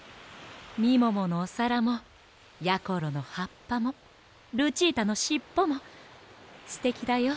みもものおさらもやころのはっぱもルチータのしっぽもすてきだよ。